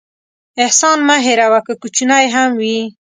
احسان مه هېروه، که کوچنی هم وي.